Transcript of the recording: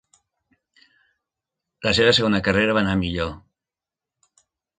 La seva segona carrera va anar millor.